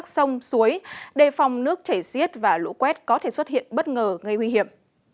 sông suối đề phòng nước chảy xiết và lũ quét có thể xuất hiện bất ngờ ngây huy hiểm